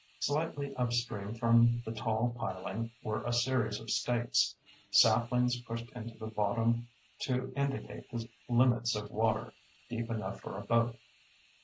Slightly upstream from the tall piling were a series of stakes, saplings pushed into the bottom to indicate the limits of water deep enough for a boat.